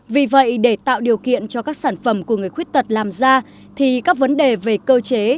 vì vậy để tạo điều kiện cho các sản phẩm của người khuyết tật làm ra thì các vấn đề về cơ chế